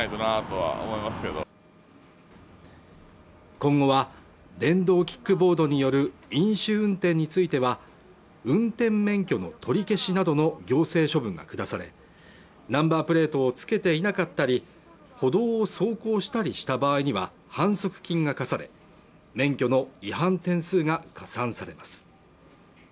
今後は電動キックボードによる飲酒運転については運転免許の取り消しなどの行政処分が下されナンバープレートをつけていなかったり歩道を走行したりした場合には反則金が科され免許の違反点数が加算されます